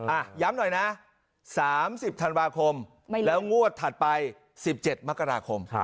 อ้าอย่ำหน่อยน่ะสามสิบธันบาห์คมไม่เลื่อนแล้วงวดถัดไปสิบเจ็ดมกราคมครับ